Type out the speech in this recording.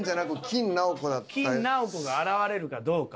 金ナオコが現れるかどうか。